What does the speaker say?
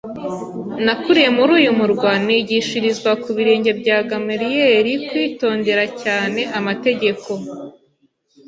nakuriye muri uyu murwa, nigishirizwa ku birenge bya Gamariyeri kwitondera cyane amategeko